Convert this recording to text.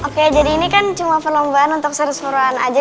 oke jadi ini kan cuma perlombaan untuk seru seruan aja